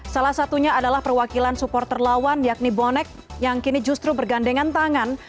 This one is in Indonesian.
salah satunya adalah perwakilan supporter lawan yakni bonek yang kini justru bergandengan tangan